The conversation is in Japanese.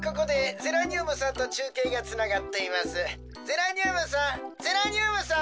ゼラニュームさんゼラニュームさん！